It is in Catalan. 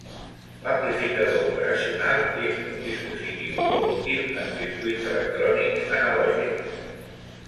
L'amplificador operacional és un dispositiu molt útil en circuits electrònics analògics.